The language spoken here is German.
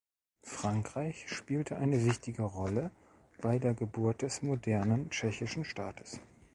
Frankreich spielte eine wichtige Rolle bei der Geburt des modernen tschechischen Staates.